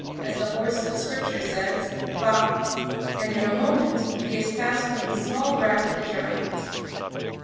as the horse of Scripture says "Vah!" and in a moment he has passed from the small brat to the giant.